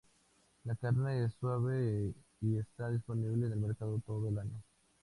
La carne es suave y está disponible en el mercado todo el año.